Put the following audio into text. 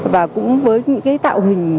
và cũng với những tạo hình